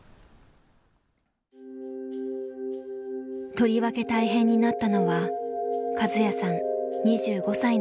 とりわけ大変になったのはカズヤさん２５歳の頃。